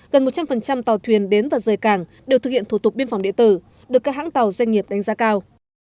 gần một trăm linh tàu thuyền đến và rời cảng đều thực hiện thủ tục biên phòng địa tử được các hãng tàu doanh nghiệp đánh giá cao